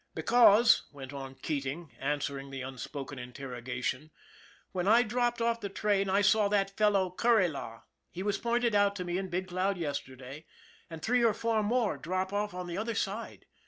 " Because," went on Keating, answering the un spoken interrogation, " when I dropped off the train I saw that fellow Kuryla he was pointed out to me in Big Cloud yesterday and three or four more drop off on the other side.